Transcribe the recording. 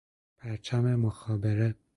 پرچم مخابره